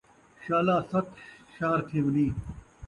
شالا ست شَہر تھیونیں